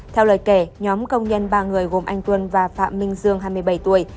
theo lời kể nhóm công nhân ba người gồm anh tuân và phạm minh dương hai mươi bảy tuổi